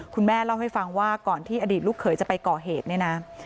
คุณแม่เล่าให้ฟังว่าก่อนที่อดีตลูกเขยจะไปก่อเหตุเนี่ยนะ